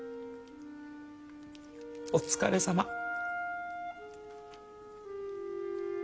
お疲れさま。